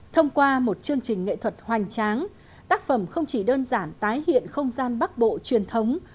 thông qua một chương trình nghệ thuật hoành tráng tác phẩm không chỉ đơn giản tái hiện không gian bắc bộ truyền thống